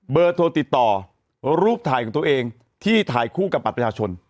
โทรติดต่อรูปถ่ายของตัวเองที่ถ่ายคู่กับบัตรประชาชน